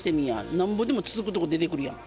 なんぼでもつつくとこ出てくるやん。